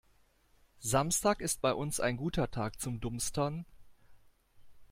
Samstag ist bei uns ein guter Tag zum Dumpstern.